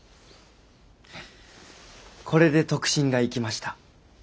これで得心がいきました。